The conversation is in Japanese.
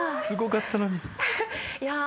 すごかったのに。